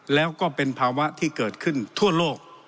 แล้วก็เป็นภาวะที่เกิดขึ้นทั่วโลก